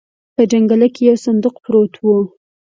په جنګله کې يو صندوق پروت و.